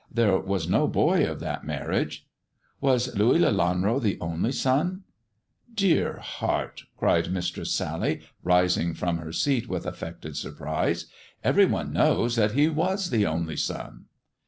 There was no boy of that marriage." " Was Louis Lelanro the only son 1 "" Dear heart !" cried Mistress Sally, rising from her seat with affected surprise, " every one knows that he was the only son."